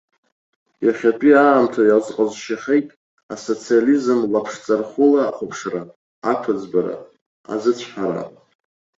Иахьатәи аамҭа иазҟазшьахеит асоциализм лаԥшҵархәыла ахәаԥшра, ақәыӡбара, азыцәҳара.